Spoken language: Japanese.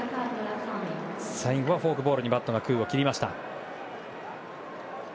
最後はフォークボールにバットが空を切りました。